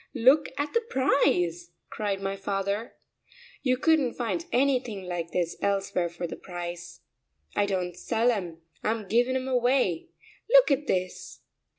Look at the price!" cried my father. "You couldn't find anything like this elsewhere for the price! I don't sell 'em; I'm giving 'em away. Look at this!"